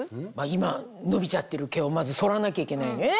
今伸びちゃってる毛をまずそらなきゃいけないよね。